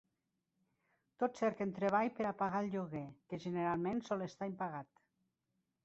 Tots cerquen treball per a pagar el lloguer, que generalment sol estar impagat.